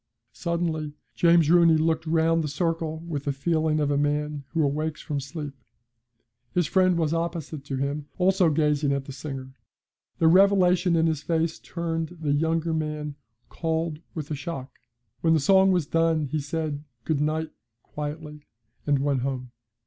Suddenly James Rooney looked round the circle with the feeling of a man who awakes from sleep. His friend was opposite to him, also gazing at the singer; the revelation in his face turned the younger man cold with the shock. When the song was done he said 'good night' quietly, and went home.